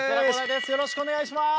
よろしくお願いします！